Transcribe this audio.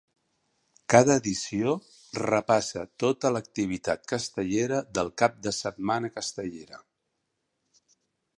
Cada edició repassa tota l'activitat castellera del cap de setmana castellera.